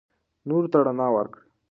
نورو ته رڼا ورکړئ.